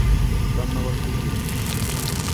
ধন্যবাদ, খুকী।